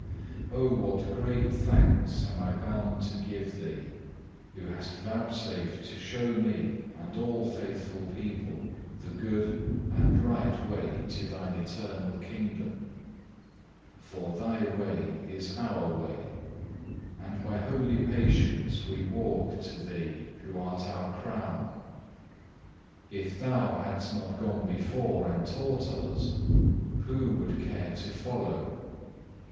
3. Oh what great thanks am I bound to give Thee, who hast vouchsafed to show me and all faithful people the good and right way to Thine eternal kingdom, for Thy way is our way, and by holy patience we walk to Thee who art our Crown. If Thou hadst not gone before and taught us, who would care to follow?